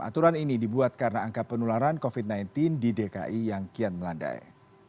aturan ini dibuat karena angka penularan covid sembilan belas di dki yang kian melandai